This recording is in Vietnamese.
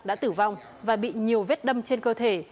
đã tử vong và bị nhiều vết đâm trên cơ thể